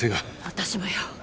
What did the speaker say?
私もよ。